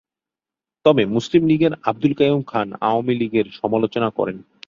তবে মুসলিম লীগের আবদুল কাইয়ূম খান আওয়ামী লীগের সমালোচনা করেন।